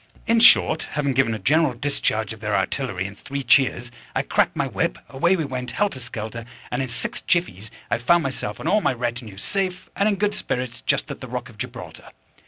In short, having given a general discharge of their artillery, and three cheers, I cracked my whip, away we went, helter skelter, and in six jiffies I found myself and all my retinue safe and in good spirits just at the rock of Gibraltar.